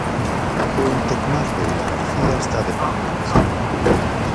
O Intecmar de Vilagarcía está de parabéns.